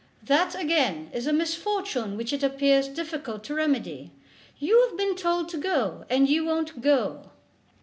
"That, again, is a misfortune which it appears difficult to remedy. You have been told to go, and you won't go."